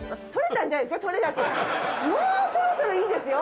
もうそろそろいいですよ。